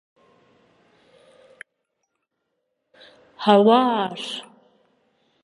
Hawar!